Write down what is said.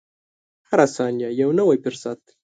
• هره ثانیه یو نوی فرصت دی.